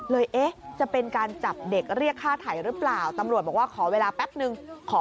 เอ๊ะจะเป็นการจับเด็กเรียกค่าไถ่หรือเปล่าตำรวจบอกว่าขอเวลาแป๊บนึงขอ